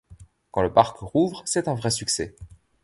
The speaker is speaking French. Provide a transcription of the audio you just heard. Quand le parc rouvre, c'est un vrai succès.